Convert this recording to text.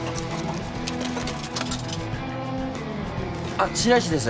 あっ白石です。